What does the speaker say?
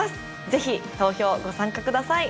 ぜひ投票ご参加ください